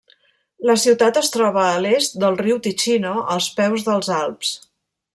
La ciutat es troba a l'est del riu Ticino, als peus dels Alps.